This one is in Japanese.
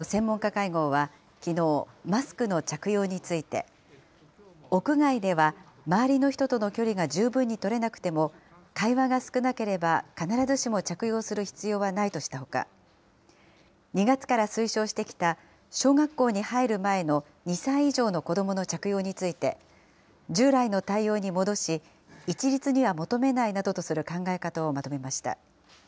厚生労働省の専門家会合は、きのう、マスクの着用について、屋外では、周りの人との距離が十分に取れなくても、会話が少なければ、必ずしも着用する必要はないとしたほか、２月から推奨してきた、小学校に入る前の２歳以上の子どもの着用について、従来の対応に戻し、一律には求めないなどとする考え方をまとめました。